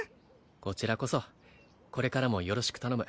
こちらこそこれからもよろしく頼む